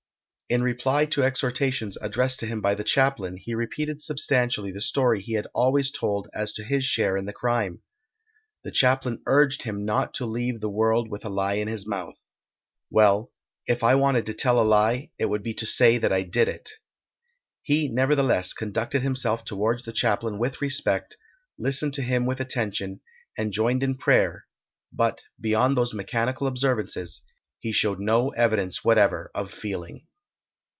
In reply to exhortations addressed to him by the chaplain, he repeated substantially the story he had always told as to his share in the crime. The chaplain urged him not to leave the world with a lie in his mouth. "Well, if I wanted to tell a lie it would be to say that I did it." He, nevertheless, conducted himself towards the chaplain with respect, listened to him with attention, and joined in prayer; but, beyond those mechanical observances, he showed no evidence whatever of feeling.